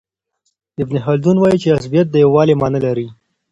ابن خلدون وايي چي عصبیت د یووالي معنی لري.